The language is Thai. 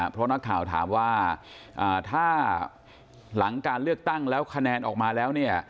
เพราะนักข่าวถามว่าถ้าหลังการเลือกตั้งแล้วคะแนนออกมาแล้วเนี่ย